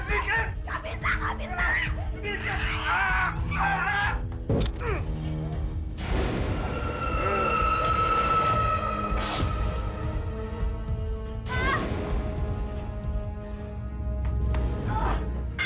ibu bangun bang